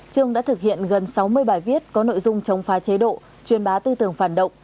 trương đã thực hiện gần sáu mươi bài viết có nội dung chống phá chế độ truyền bá tư tưởng phản động